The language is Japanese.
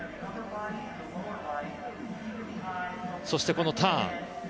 そして、このターン。